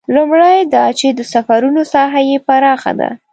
لومړی دا چې د سفرونو ساحه یې پراخه ده.